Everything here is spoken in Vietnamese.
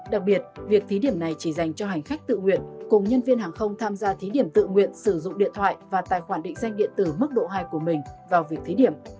đặc biệt việc thí điểm này chỉ dành cho hành khách tự nguyện cùng nhân viên hàng không tham gia thí điểm tự nguyện sử dụng điện thoại và tài khoản định danh điện tử mức độ hai của mình vào việc thí điểm